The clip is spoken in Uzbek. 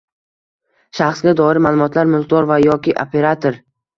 Shaxsga doir ma’lumotlar mulkdor va yoki operator